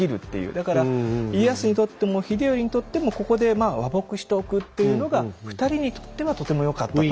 だから家康にとっても秀頼にとってもここで和睦しておくっていうのが２人にとってはとてもよかったと。